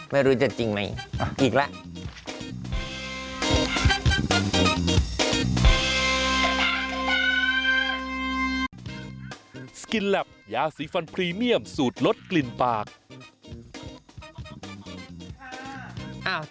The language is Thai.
ไม่รู้จะจริงมั้ยอีกละ